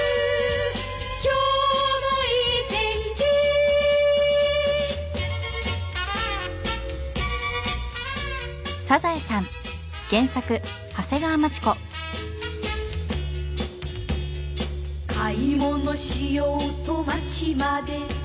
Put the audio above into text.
「今日もいい天気」「買い物しようと街まで」